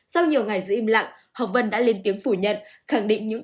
sau nhiều ngày giữ im lặng hồng vân đã lên tiếng phủ nhận